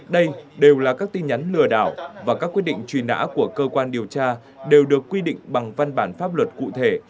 đây đều là các tin nhắn lừa đảo và các quyết định truy nã của cơ quan điều tra đều được quy định bằng văn bản pháp luật cụ thể